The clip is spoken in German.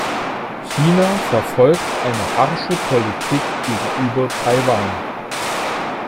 China verfolgt eine harsche Politik gegenüber Taiwan.